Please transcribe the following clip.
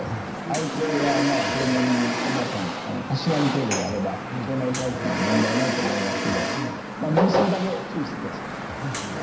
アルコールはそれなりに皆さんたしなむ程度であれば腸内細菌には問題ないと思いますけど飲みすぎだけ注意してください。